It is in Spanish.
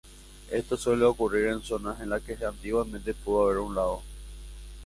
Esto suele ocurrir en zonas en las que antiguamente pudo haber un lago.